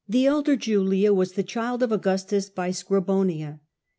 elder Julia was the child of Augustus by Her be Scribonia.